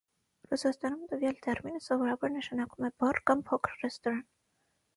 Ռուսաստանում տվյալ տերմինը սովորաբար նշանակում է բար կամ փոքր ռեստորան։